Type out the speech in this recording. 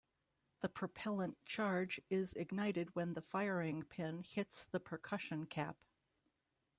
The propellant charge is ignited when the firing pin hits the percussion cap.